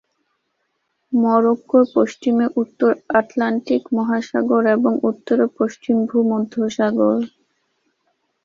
মরক্কোর পশ্চিমে উত্তর আটলান্টিক মহাসাগর এবং উত্তরে পশ্চিম ভূমধ্যসাগর।